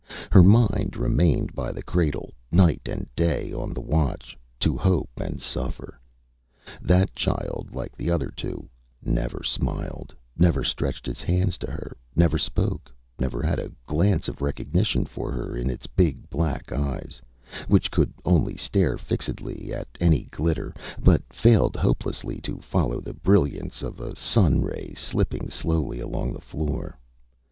Her mind remained by the cradle, night and day on the watch, to hope and suffer. That child, like the other two, never smiled, never stretched its hands to her, never spoke; never had a glance of recognition for her in its big black eyes, which could only stare fixedly at any glitter, but failed hopelessly to follow the brilliance of a sun ray slipping slowly along the floor.